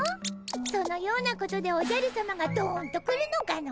そのようなことでおじゃるさまがどんと来るのかの？